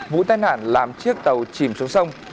vụ tai nạn làm chiếc tàu chìm xuống sông